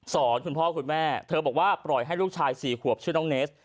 คุณพ่อคุณแม่เธอบอกว่าปล่อยให้ลูกชาย๔ขวบชื่อน้องเนส